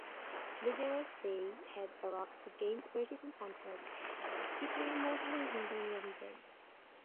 The "zeroeth day" had a Rock Against Racism concert, featuring mostly Hungarian bands.